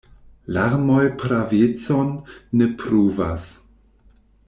Larmoj pravecon ne pruvas.